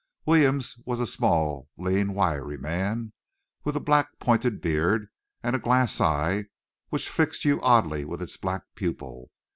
Williams was a small, lean, wiry man, with a black pointed beard and a glass eye which fixed you oddly with its black pupil.